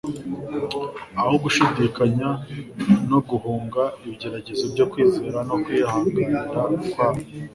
Aho gushidikanya no guhunga ibigeragezo byo kwizera no kwiharigana kwabo,